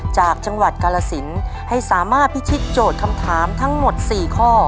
จากจังหวัดกาลสินให้สามารถพิชิตโจทย์คำถามทั้งหมด๔ข้อ